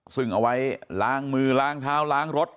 ซึ่งเอาไว้ล้างมือล้างเท้าล้างรถ